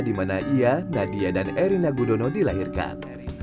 dimana ia nadia dan erina gudono dilahirkan